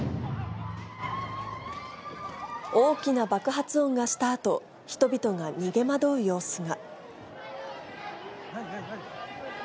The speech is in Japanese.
大きな爆発音がしたあと、人々が逃げ惑う様子が。